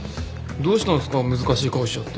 どうしたんすか難しい顔しちゃって。